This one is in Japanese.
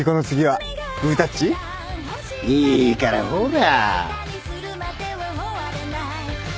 いいからほら。